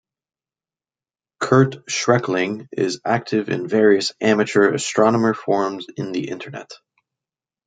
Kurt Schreckling is active in various amateur astronomer forums in the internet.